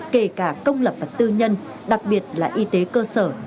kể cả công lập và tư nhân đặc biệt là y tế cơ sở